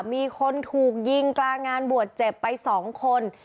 มีคนถูกยิงกลางงานบวชเจ็บไป๒คน